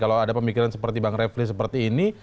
kalau ada pemikiran seperti bang refli seperti ini